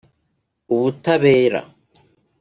Ubutabera